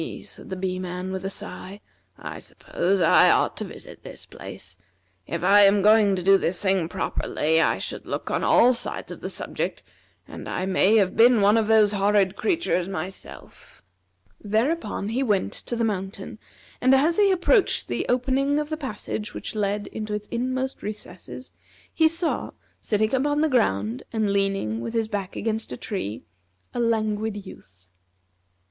said the Bee man with a sigh, "I suppose I ought to visit this place. If I am going to do this thing properly, I should look on all sides of the subject, and I may have been one of those horrid creatures myself." Thereupon he went to the mountain, and as he approached the opening of the passage which led into its inmost recesses he saw, sitting upon the ground, and leaning his back against a tree, a Languid Youth.